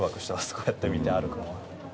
こうやって見て歩くのは。